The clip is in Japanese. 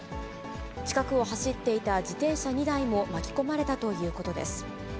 近くを走っていた自転車２台も巻き込まれたということです。